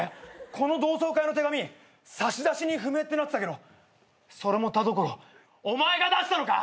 この同窓会の手紙差出人不明ってなってたけどそれも田所お前が出したのか？